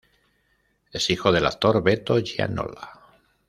Es hijo del actor Beto Gianola.